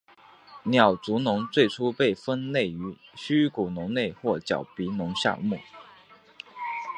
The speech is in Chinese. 鸟足龙最初被分类于虚骨龙类或角鼻龙下目。